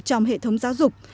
trong hệ thống giáo dục